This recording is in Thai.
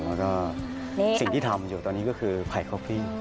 แล้วก็สิ่งที่ทำอยู่ตอนนี้ก็คือไข่คอฟฟี่